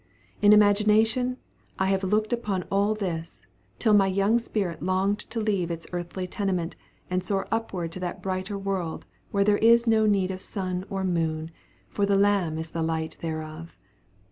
In imagination have I looked upon all this, till my young spirit longed to leave its earthly tenement and soar upward to that brighter world, where there is no need of sun or moon, for "the Lamb is the light thereof."